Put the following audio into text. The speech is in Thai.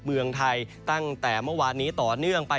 เมืองไทยตั้งแต่เมื่อวานนี้ต่อเนื่องไป